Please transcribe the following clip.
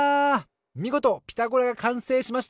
みごと「ピタゴラ」がかんせいしました